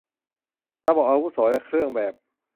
ระบบอาวุโส และเครื่องแบบ